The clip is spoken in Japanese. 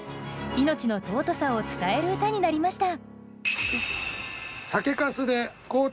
命の尊さを伝える歌になりました。